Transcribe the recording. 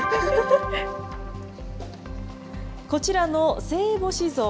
こちらの聖母子像。